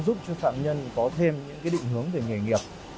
giúp cho phạm nhân có thêm những định hướng về nghề nghiệp